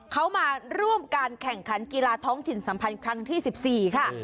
เขามาร่วมการแข่งขันกีฬาท้องถิ่นสัมพันธ์ครั้งที่๑๔ค่ะ